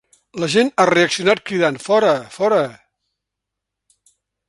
La gent ha reaccionat cridant ‘fora, fora’.